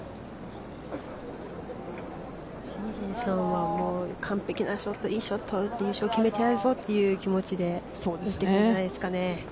シン・ジエさんは、完璧なショット、いいショットを打って優勝決めてやるぞという気持ちで打ってくるんじゃないでしょうかね。